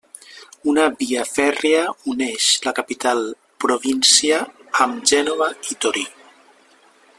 Una via fèrria uneix la capital província amb Gènova i Torí.